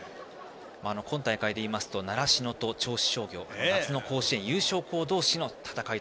今大会で言いますと習志野と銚子商業夏の甲子園優勝校同士の戦いと。